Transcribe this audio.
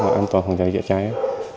và an toàn phòng cháy chạy cháy ấy